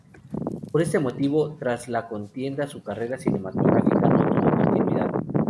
Por este motivo, tras la contienda su carrera cinematográfica no tuvo continuidad.